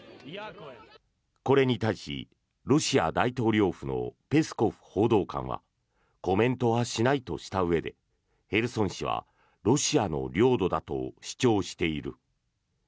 これに対し、ロシア大統領府のペスコフ報道官はコメントはしないとしたうえでヘルソン市はロシアの領土だと主張している。